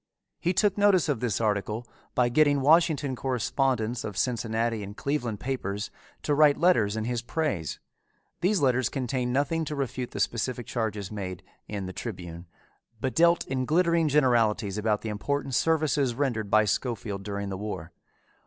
He took notice of this article by getting Washington correspondents of Cincinnati and Cleveland papers to write letters in his praise. Those letters contained nothing to refute the specific charges made in the Tribune, but dealt in glittering generalities about the important services rendered by Schofield during the war.